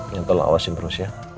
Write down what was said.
yang telah awasin terus ya